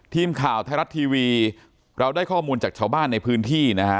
ทีมข่าวไทยรัฐทีวีเราได้ข้อมูลจากชาวบ้านในพื้นที่นะฮะ